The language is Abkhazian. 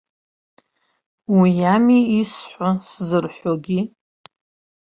Уи ами исҳәо сзырҳәогьы.